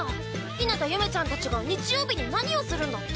日向ゆめちゃんたちが日曜日に何をするんだって？